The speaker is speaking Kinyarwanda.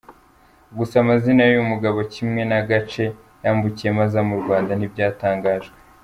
Gusa amazina y’uyu mugabo kimwe n’agace yambukiyemo aza mu Rwanda ntibyatangajwe.